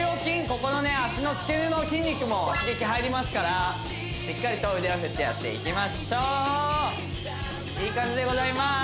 ここの脚のつけ根の筋肉も刺激入りますからしっかりと腕を振ってやっていきましょういい感じでございます